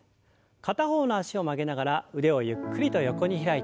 片方の脚を曲げながら腕をゆっくりと横に開いて。